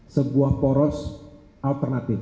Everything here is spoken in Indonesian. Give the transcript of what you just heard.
sebuah poros alternatif